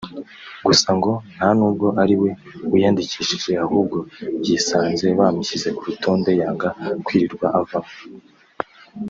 gusa ngo nta n’ubwo ari we wiyandikishije ahubwo yisanze bamushyize ku rutonde yanga kwirirwa avamo